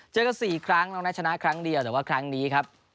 เจอกัน๔ครั้งน้องนัทชนะครั้งเดียวแต่ว่าครั้งนี้ครับ